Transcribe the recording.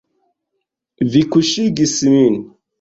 Vi kuŝigis min.